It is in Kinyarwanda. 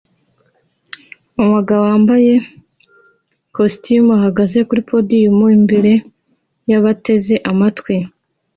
Umugabo wambaye ikositimu ahagaze kuri podium imbere yabateze amatwi